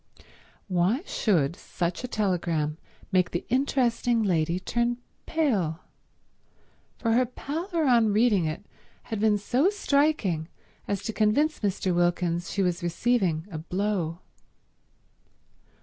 Why should such a telegram make the interesting lady turn pale? For her pallor on reading it had been so striking as to convince Mr. Wilkins she was receiving a blow.